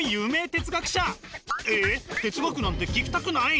哲学なんて聞きたくない？